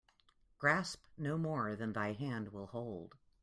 Grasp no more than thy hand will hold.